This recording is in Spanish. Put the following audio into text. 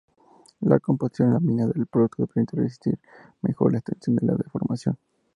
La composición laminada del producto le permite resistir mejor las tensiones de deformación.